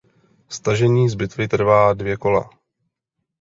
Stažení z bitvy trvá dvě kola.